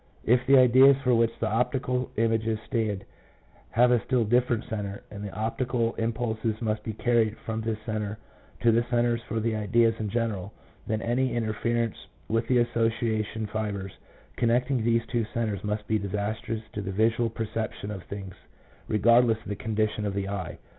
If the ideas for which the optical images stand have a still different centre, and the optical impulses must be carried from this centre to the centres for the ideas in general, then any interference with the association fibres connecting these two centres must be disastrous to the visual perception of things regardless of the condition of the eye.